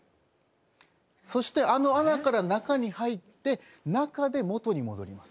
そしてあの穴から中に入って中で元に戻ります。